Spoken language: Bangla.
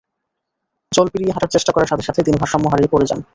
জল পেরিয়ে হাঁটার চেষ্টা করার সাথে সাথে তিনি ভারসাম্য হারিয়ে পড়ে যান।